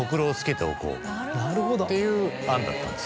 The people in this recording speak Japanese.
なるほど。っていう案だったんです。